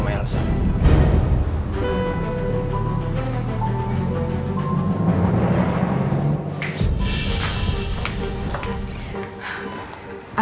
ketemuan sama elsa